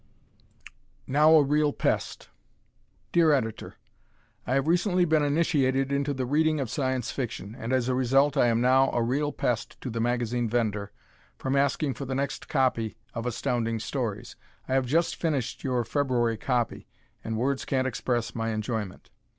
"Now a Real Pest" Dear Editor: I have recently been initiated into the reading of Science Fiction, and as a result I am now a real pest to the magazine vendor, from asking for the next copy of Astounding Stories. I have just finished your February copy and words can't express my enjoyment.